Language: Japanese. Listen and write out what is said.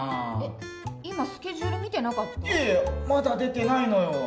今、いやいや、まだ出てないのよ。